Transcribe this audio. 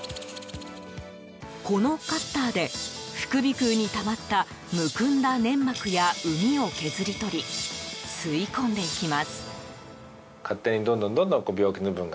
このカッターで副鼻腔にたまったむくんだ粘膜や、うみを削り取り吸い込んでいきます。